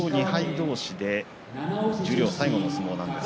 同士で十両最後の相撲です。